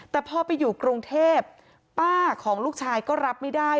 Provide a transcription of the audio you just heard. แต่พอไปอยู่กรุงเทพป้าของลูกชายก็รับไม่ได้